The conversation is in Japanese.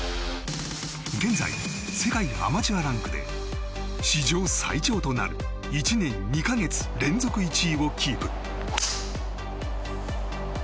現在、世界アマチュアランクで史上最長となる１年２か月連続１位をキープ。